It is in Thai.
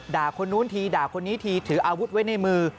คนนู้นทีด่าคนนี้ทีถืออาวุธไว้ในมือ